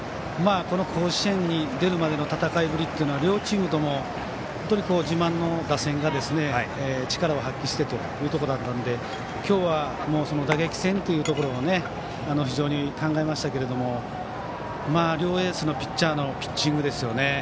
甲子園に出るまでの戦いぶりは両チームとも本当に自慢の打線が力を発揮してということだったので今日は打撃戦ということを考えましたけど両エースのピッチャーのピッチングですよね。